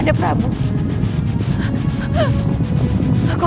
tidak ada gunanya